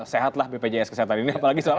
sehatlah bpjs kesehatan ini apalagi soal